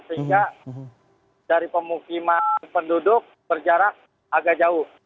sehingga dari pemukiman penduduk berjarak agak jauh